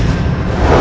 aku mau makan